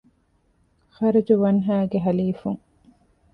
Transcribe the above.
ޚަރްޖުވަންހައިގެ ޙަލީފުން